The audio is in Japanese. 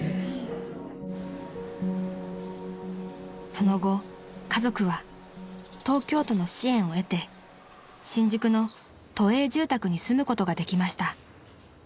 ［その後家族は東京都の支援を得て新宿の都営住宅に住むことができました］